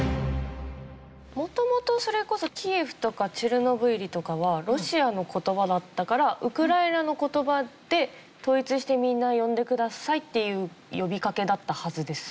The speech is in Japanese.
元々それこそ「キエフ」とか「チェルノブイリ」とかはロシアの言葉だったからウクライナの言葉で統一してみんな呼んでくださいっていう呼びかけだったはずです。